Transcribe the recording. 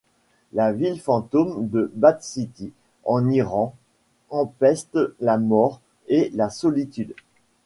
La ville fantôme de Bad City en Iran empeste la mort et la solitude.